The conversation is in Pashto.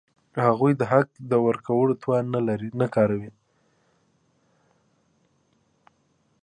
هغوی د حق د ورکړې توان نه کاراوه.